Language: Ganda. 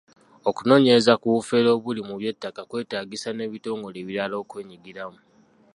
Okunoonyereza ku bufere obuli mu by’ettaka kwetaagisa n'ebitongole ebirala okwenyigiramu.